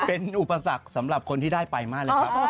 เป็นอุปสรรคสำหรับคนที่ได้ไปมากเลยครับ